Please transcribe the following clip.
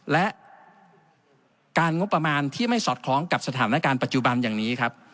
และการงบประมาณที่ไม่สอดคล้องกับสถานการณ์ปัจจุบันอย่างนี้ครับ